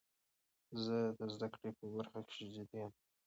زه د زده کړي په برخه کښي جدي یم.